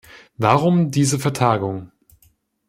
Warum diese Vertagung?